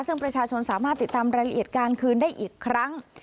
ซึ่งประชาชนสามารถติดตามรายละเอียดการคืนได้อีกครั้ง